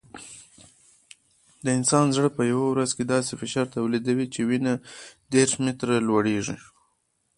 د انسان زړه په یوه ورځ داسې فشار تولیدوي چې وینه دېرش متره لوړېږي.